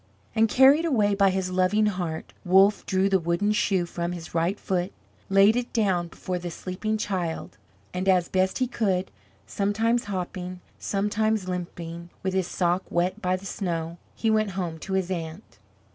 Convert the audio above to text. And carried away by his loving heart, Wolff drew the wooden shoe from his right foot, laid it down before the sleeping child, and, as best he could, sometimes hopping, sometimes limping with his sock wet by the snow, he went home to his aunt.